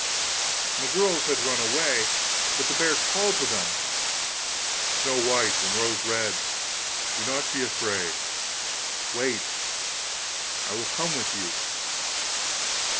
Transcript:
The girls had run away, but the bear called to them: 'Snow white and Rose red, do not be afraid; wait, I will come with you.